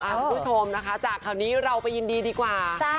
ก๋วยคุณผู้ชมจากครบนี้เราไปยินดีดีกว่า